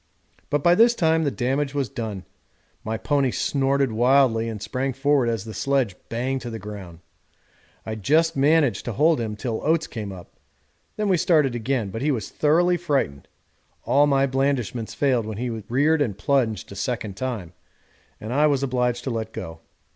But by this time the damage was done. My pony snorted wildly and sprang forward as the sledge banged to the ground. I just managed to hold him till Oates came up, then we started again; but he was thoroughly frightened all my blandishments failed when he reared and plunged a second time, and I was obliged to let go.